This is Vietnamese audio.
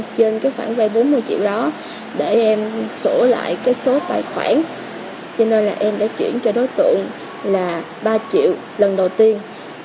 trên cái khoản vay bốn mươi triệu đó để em sổ lại cái số tài khoản cho nên là em đã chuyển cho đối tượng là ba triệu lần đầu tiên